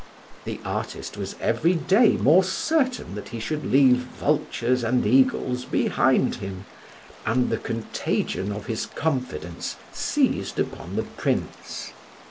The artist was every day more certain that he should leave vultures and eagles behind him, and the contagion of his confidence seized upon the Prince.